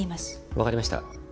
わかりました。